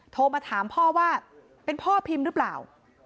โทรมาถามพ่อว่าเป็นพ่อพิมพ์หรือเปล่า